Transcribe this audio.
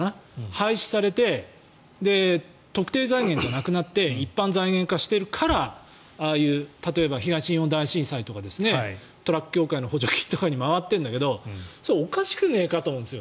廃止されて特定財源じゃなくなって一般財源化しているからああいう例えば東日本大震災とかトラック協会の補助金とかに回ってるんだけどそれ、おかしくねえかと思うんです。